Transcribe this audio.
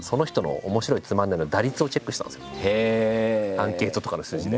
アンケートとかの数字で。